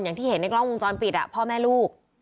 อย่างที่เห็นในกล้องวงจรปิดพ่อแม่ลูก